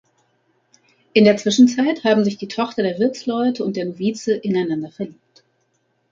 In der Zwischenzeit haben sich die Tochter der Wirtsleute und der Novize ineinander verliebt.